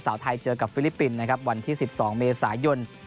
สาวไทยเจอกับฟิลิปปินส์นะครับวันที่๑๒เมษายน